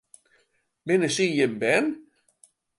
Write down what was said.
Binne sy jim bern?